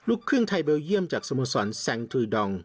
ครึ่งไทยเบลเยี่ยมจากสโมสรแซงทรูดอง